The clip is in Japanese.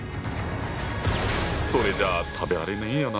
それじゃあ食べられねえよな。